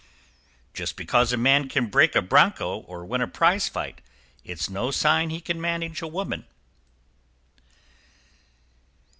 =Just because a man can break a broncho or win a prize fight, it's no sign he can manage a woman.